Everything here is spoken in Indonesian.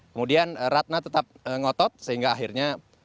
kemudian ratna tetap ngotot sehingga akhirnya